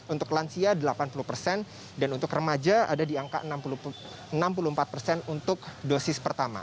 untuk lansia delapan puluh persen dan untuk remaja ada di angka enam puluh empat persen untuk dosis pertama